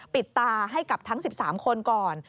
ปิดตาให้กับทั้ง๑๓คนก่อน